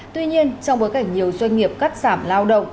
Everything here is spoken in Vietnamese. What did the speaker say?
tuy nhiên trong bối cảnh nhiều doanh nghiệp cắt giảm lao động